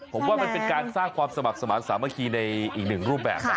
ผมว่ามันเป็นการสร้างความสมัครสมาธิสามัคคีในอีกหนึ่งรูปแบบนะ